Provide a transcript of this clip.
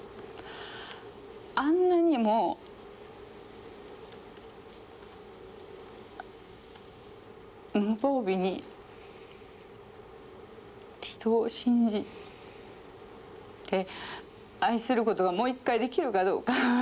あんなにも無防備に人を信じて愛することがもう一回できるかどうか。